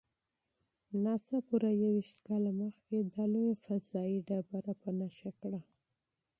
ناسا پوره یوویشت کاله مخکې دا لویه فضايي ډبره په نښه کړه.